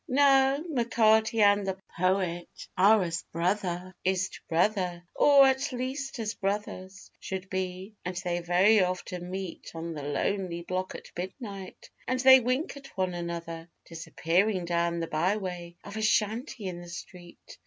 _' Now, M'Carty and the poet are as brother is to brother, Or, at least, as brothers should be; and they very often meet On the lonely block at midnight, and they wink at one another Disappearing down the by way of a shanty in the street.